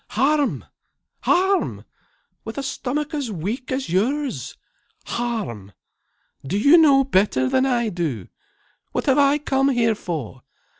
"Harm! Harm! With a stomach as weak as yours! Harm! Do you know better than I do? What have I come here for?